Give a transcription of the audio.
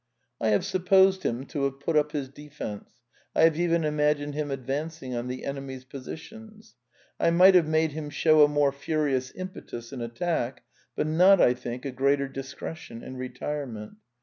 I have supposed him to have put up his defence, I have even imagined him advancing on the enemy's positions. I might have made him show a more furious impetus in at tack, but not, I think, a greater discretion in retirement.